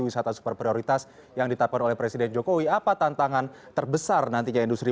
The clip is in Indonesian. wisata super prioritas yang ditapkan oleh presiden jokowi apa tantangan terbesar nantinya industri